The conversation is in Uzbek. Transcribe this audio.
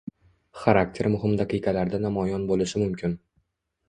Xarakter muhim daqiqalarda namoyon bo'lishi mumkin.